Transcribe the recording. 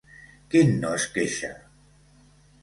Quin no es queixa?